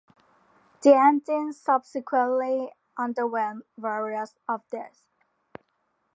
The engine subsequently underwent various updates.